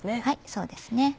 そうですね。